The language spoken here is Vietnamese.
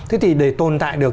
họ tồn tại được